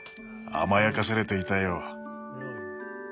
甘やかされていたよ。